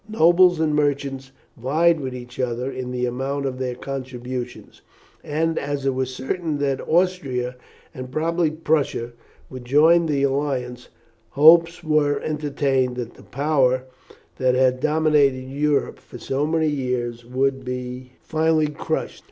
Nobles and merchants vied with each other in the amount of their contributions, and as it was certain that Austria, and probably Prussia would join the alliance, hopes were entertained that the power that had dominated Europe for so many years would be finally crushed.